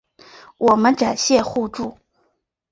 我们展现互助